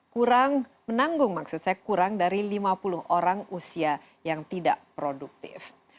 kurang menanggung maksud saya kurang dari lima puluh orang usia yang tidak produktif